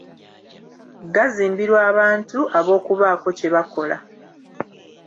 Gazimbirwa abantu ab'okubaako kye bakola.